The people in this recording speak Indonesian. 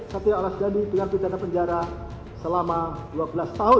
satya alas dendi dengan pidana penjara selama dua belas tahun